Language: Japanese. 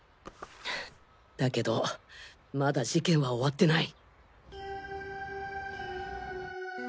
だけどまだ事件は終わってない。